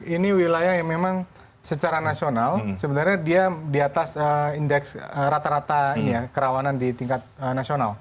ini wilayah yang memang secara nasional sebenarnya dia di atas indeks rata rata kerawanan di tingkat nasional